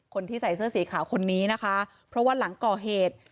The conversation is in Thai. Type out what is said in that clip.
คนที่ใส่เสื้อสีขาวคนนี้นะคะเพราะว่าหลังก่อเหตุ